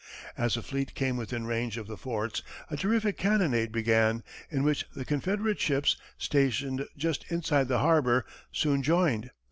As the fleet came within range of the forts, a terrific cannonade began, in which the Confederate ships, stationed just inside the harbor, soon joined.